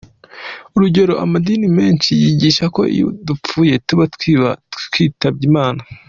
Urugero, amadini menshi yigisha ko iyo dupfuye tuba twitabye imana.